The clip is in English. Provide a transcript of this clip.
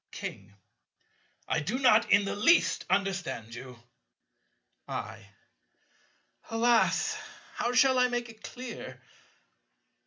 King. I do not in the least understand you. I. Alas! How shall I make it clear?